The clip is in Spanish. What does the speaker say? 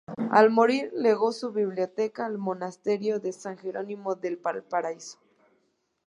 Al morir, legó su biblioteca al Monasterio de San Jerónimo del Valparaíso.